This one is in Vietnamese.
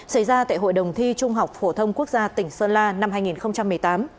xảy ra tại hội đồng thi trung học phổ thông quốc gia tỉnh sơn la năm hai nghìn một mươi tám